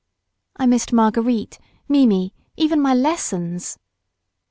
I missed Marguerite, Mimi, even my lessons.